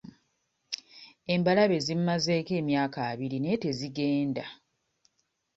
Embalabe zimmazeeko emyaka abiri naye tezigenda.